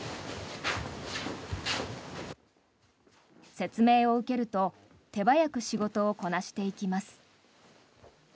説明を受けると手早く仕事をこなしていきます。